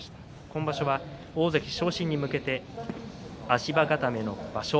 今場所は大関昇進に向けて足場固めの場所。